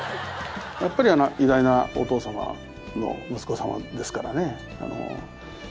やっぱり偉大なお父様の息子様ですからね。